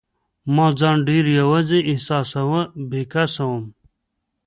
ما ځان ډېر یوازي احساساوه، بې کسه وم.